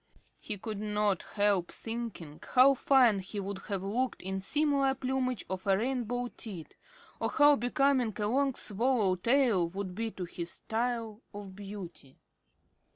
He could not help thinking how fine he would have looked in similar plumage of a rainbow tint, or how becoming a long swallow tail would be to his style of beauty.